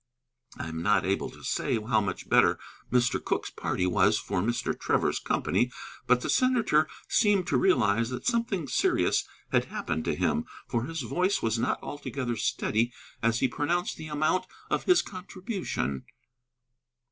I am not able to say how much better Mr. Cooke's party was for Mr. Trevor's company, but the senator seemed to realize that something serious had happened to him, for his voice was not altogether steady as he pronounced the amount of his contribution.